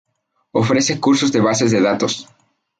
Ofrece cursos de bases de datos.